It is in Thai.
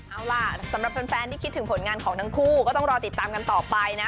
เอาล่ะสำหรับแฟนที่คิดถึงผลงานของทั้งคู่ก็ต้องรอติดตามกันต่อไปนะ